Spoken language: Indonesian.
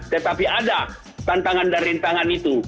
tetapi ada tantangan dan rintangan itu